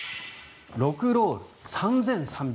６ロール３３００円。